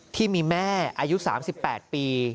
ที่มีแม่อายุ๓๘ปี